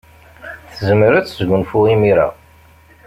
Tezmer ad tesgunfu imir-a.